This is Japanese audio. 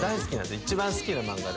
一番好きな漫画で。